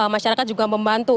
masyarakat juga membantu